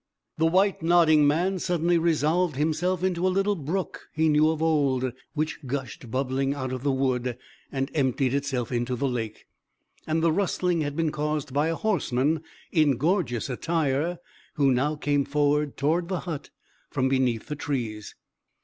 The white nodding man suddenly resolved himself into a little brook he knew of old, which gushed bubbling out of the wood, and emptied itself into the lake. And the rustling had been caused by a horseman in gorgeous attire, who now came forward toward the hut from beneath the trees.